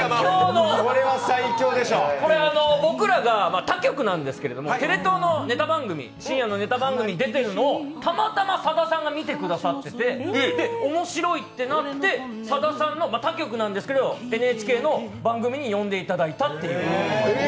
僕らが他局なんですけど、テレ東の深夜のネタ番組に出てるのをたまたまさださんが見てくださってて、面白いってなってさださんの、他局なんですけどＮＨＫの番組に呼んでいただいたって感じで。